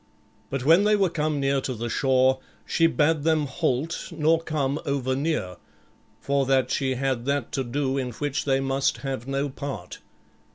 But when they were come near to the shore, she bade them halt nor come over near, for that she had that to do in which they must have no part.